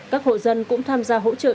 các hộ dân cũng tham gia hỗ trợ